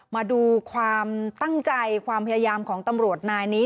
มาดูความตั้งใจความพยายามของตำรวจนายนี้